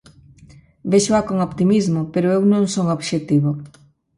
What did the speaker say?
Véxoa con optimismo, pero eu non son obxectivo.